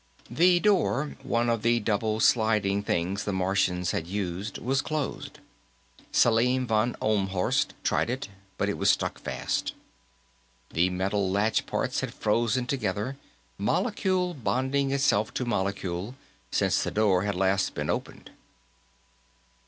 The door, one of the double sliding things the Martians had used, was closed. Selim von Ohlmhorst tried it, but it was stuck fast. The metal latch parts had frozen together, molecule bonding itself to molecule, since the door had last been closed.